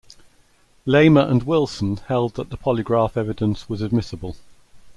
Lamer and Wilson held that the polygraph evidence was admissible.